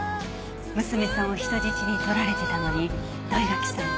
娘さんを人質に取られてたのに土居垣さん。